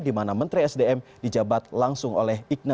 dimana menteri sdm dijabat langsung oleh archandra